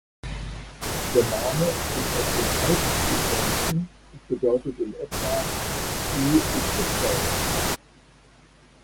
Der Name kommt aus dem Altisländischen und bedeutet in etwa "die Beschützerin".